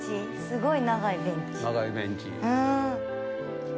すごい長いベンチ。